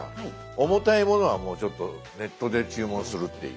重たいものはもうちょっとネットで注文するっていう。